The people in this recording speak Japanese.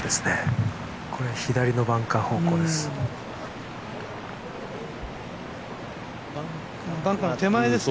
左のバンカー方向です。